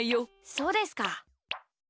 そうですか。